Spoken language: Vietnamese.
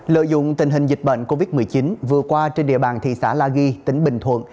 lợi dụng tình hình dịch bệnh covid một mươi chín vừa qua trên địa bàn thị xã la ghi tỉnh bình thuận